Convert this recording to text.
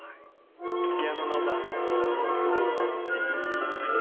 ピアノの伴奏とフルートの旋律の美しい対比。